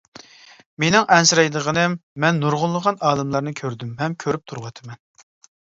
مېنىڭ ئەنسىرەيدىغىنىم، مەن نۇرغۇنلىغان ئالىملارنى كۆردۈم ھەم كۆرۈپ تۇرۇۋاتىمەن.